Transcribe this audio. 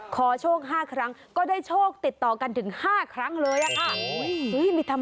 ขอโชค๕ครั้งก็ได้โชคติดต่อกันถึง๕ครั้งเลยอะค่ะ